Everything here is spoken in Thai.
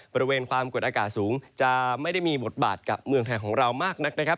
บริเวณความกดอากาศสูงจะไม่ได้มีบทบาทกับเมืองไทยของเรามากนักนะครับ